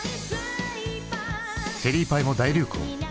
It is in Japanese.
チェリーパイも大流行。